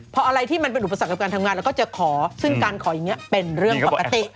พออะไรที่มันเป็นอุปสรรคกับการทำงานเราก็จะขอซึ่งการขออย่างนี้เป็นเรื่องปกติ